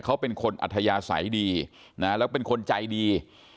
เขาเป็นคนอัธยาศัยดีนะแล้วเป็นคนใจดี